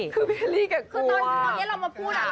คุณพี่ฮังฝึกกระกว่า